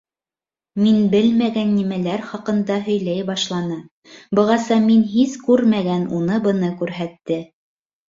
Мин белмәгән нәмәләр хаҡында һөйләй башланы, бығаса мин һис күрмәгән уны-быны күрһәтте.